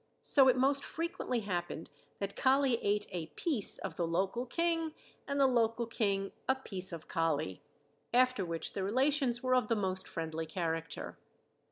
So it most frequently happened that Kali ate a "piece" of the local king and the local king a "piece" of Kali, after which the relations were of the most friendly character.